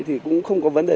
thì cũng không có vấn đề